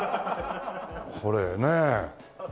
これねえ。